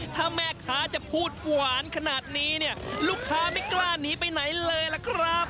ถ้าแม่ค้าจะพูดหวานขนาดนี้เนี่ยลูกค้าไม่กล้าหนีไปไหนเลยล่ะครับ